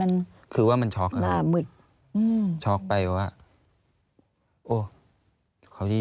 อันดับ๖๓๕จัดใช้วิจิตร